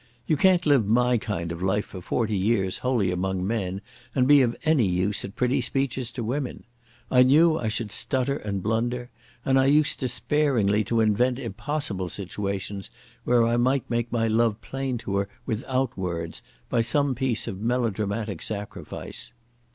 You can't live my kind of life for forty years wholly among men and be of any use at pretty speeches to women. I knew I should stutter and blunder, and I used despairingly to invent impossible situations where I might make my love plain to her without words by some piece of melodramatic sacrifice.